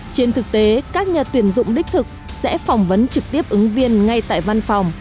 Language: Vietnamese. trên thực tế các nhà tuyển dụng đích thực sẽ phỏng vấn trực tiếp ứng viên ngay tại văn phòng